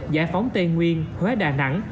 giải phóng tây nguyên huế đà nẵng